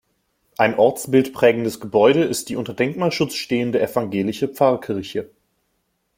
Ein ortsbildprägendes Gebäude ist die unter Denkmalschutz stehende evangelische Pfarrkirche.